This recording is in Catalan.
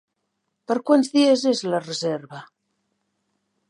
Per quants dies és la reserva?